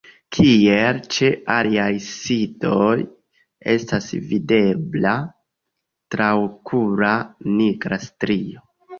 Kiel ĉe aliaj sitoj estas videbla traokula nigra strio.